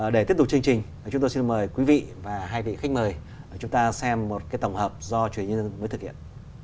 để tiếp tục chương trình chúng tôi xin mời quý vị và hai vị khách mời chúng ta xem một cái tổng hợp do chủ yếu nhân dân mới thực hiện